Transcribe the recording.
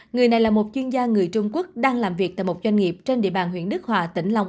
người này là một chuyên gia người trung quốc đang làm việc tại một doanh nghiệp trên địa bàn huyện đức hòa tỉnh long an